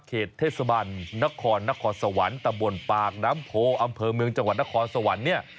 เหตุเทศบาลนครนครสวรรค์ตะบนปากน้ำโพอำเภอเมืองจังหวัดนครสวรรค์เนี่ย